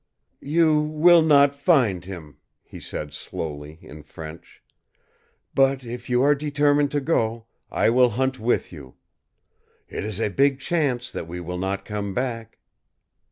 "You will not find him," he said slowly in French; "but if you are determined to go, I will hunt with you. It is a big chance that we will not come back."